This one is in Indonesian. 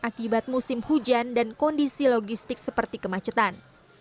akibat musim hujan dan kondisi logistik seperti kemacetan